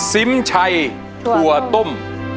ซิมชัยถั่วต้ม